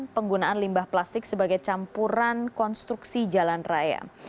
penggunaan limbah plastik sebagai campuran konstruksi jalan raya